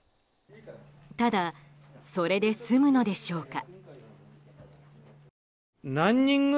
ただ、それで済むのでしょうか。